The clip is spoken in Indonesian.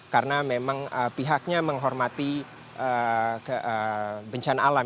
karena memang pihaknya menghormati bencana alam